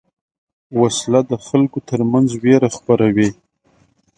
وسله د خلکو تر منځ وېره خپروي